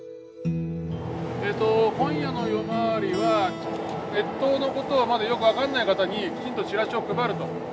えっと今夜の夜回りは越冬のことがまだよく分かんない方にきちんとチラシを配ると。